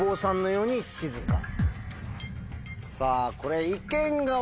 さぁこれ。